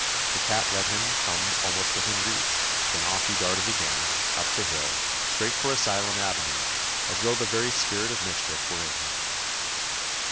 The cat let him come almost within reach, then off he darted again, up the hill, straight for Asylum Avenue, as though the very spirit of mischief were in him.